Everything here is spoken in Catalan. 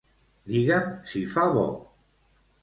Digue'm si fa bo.